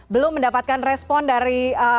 belum mendapatkan respon dari